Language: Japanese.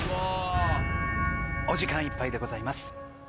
お時間いっぱいでございます。